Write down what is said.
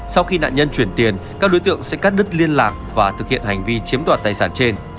sau khi nạn nhân chuyển tiền các đối tượng sẽ cắt đứt liên lạc và thực hiện hành vi chiếm đoạt tài sản trên